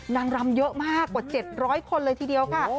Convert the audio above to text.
นางรำเยอะมากกว่า๗๐๐คนเลยทีเดียวค่ะ